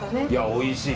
おいしい。